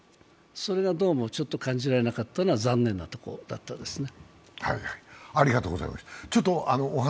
それがどうもちょっと感じられなかったのは残念でしたね。